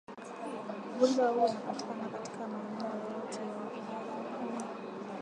Ugonjwa huu unapatikana katika maeneo yote ya wafugaji na huenea polepole katika maeneo yote